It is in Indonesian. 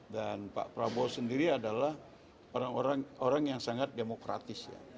dan pak prabowo sendiri adalah orang orang yang sangat demokratis